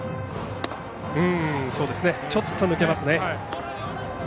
ちょっと抜けますね。